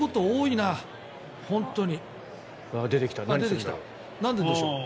なんででしょう？